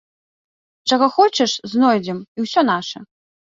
Чаго хочаш знойдзем, і ўсё наша.